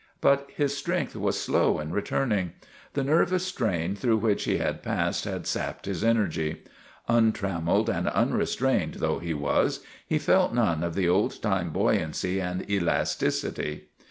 But his strength was slow in returning. The nervous strain through which he had passed had sapped his energy. Untrammeled and unrestrained though he was, he felt none of the old time buoyancy and elasticity.